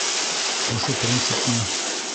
Ошо принципмы?!